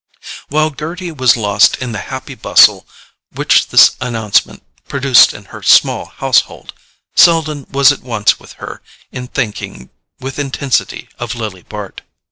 While Gerty was lost in the happy bustle which this announcement produced in her small household, Selden was at one with her in thinking with intensity of Lily Bart.